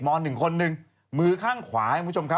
ม๑มือข้างขวา